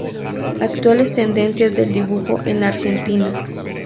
Actuales Tendencias del Dibujo en la Argentina.